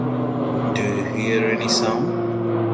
Do you hear any sound?